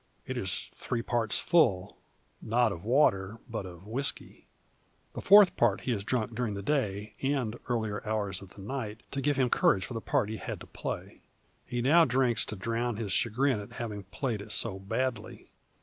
It is three parts full, not of water, but of whisky. The fourth part he has drunk during the day, and earlier hours of the night, to give him courage for the part he had to play. He now drinks to drown his chagrin at having played it so badly.